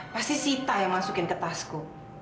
pasti sita yang masukin ke tasku